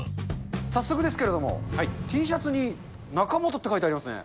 早速ですけれども、Ｔシャツに中本って書いてありますね。